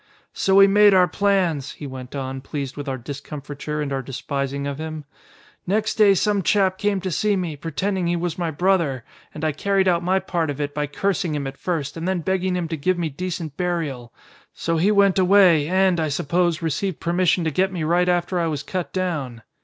"So we made our plans," he went on, pleased with our discomfiture and our despising of him. "Next day some chap came to see me, pretending he was my brother. And I carried out my part of it by cursing him at first and then begging him to give me decent burial. So he went away, and, I suppose, received permission to get me right after I was cut down.